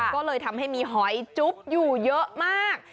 ก็เลยทำให้มีหอยจุ๊บอยู่เยอะมาก